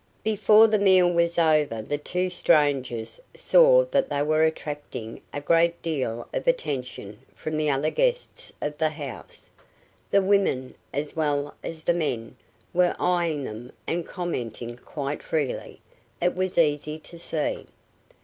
Before the meal was over the two strangers saw that they were attracting a great deal of attention from the other guests of the house. The women, as well as the men, were eyeing them and commenting quite freely, it was easy to see.